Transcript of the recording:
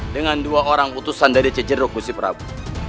dengan dua orang utusan dari cedro gusti prabu